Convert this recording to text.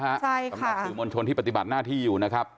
สำหรับสื่อมวลชนที่ปฏิบัติหน้าที่อยู่นะครับ